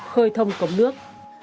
khơi thông cống nước